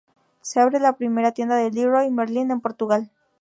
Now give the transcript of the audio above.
Se abre la primera tienda de Leroy Merlin en Portugal.